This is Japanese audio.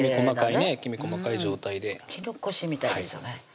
きめ細かい状態できぬこしみたいですよね